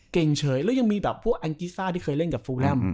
เฉยแล้วยังมีแบบพวกแองกิซ่าที่เคยเล่นกับฟูแลม